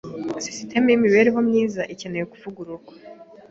Sisitemu yimibereho myiza ikeneye kuvugururwa.